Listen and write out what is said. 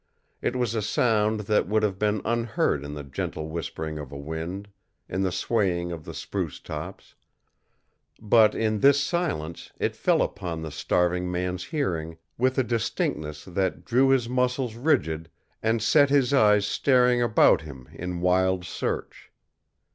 It was a sound that would have been unheard in the gentle whispering of a wind, in the swaying of the spruce tops; but in this silence it fell upon the starving man's hearing with a distinctness that drew his muscles rigid and set his eyes staring about him in wild search.